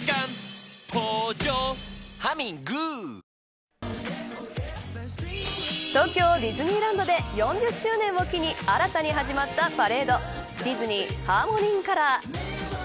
「ビオレ」東京ディズニーランドで４０周年を機に新たに始まったパレードディズニー・ハーモニー・イン・カラー。